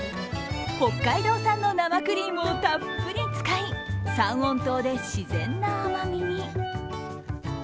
北海道産の生クリームをたっぷり使い、三温糖で自然な甘みに。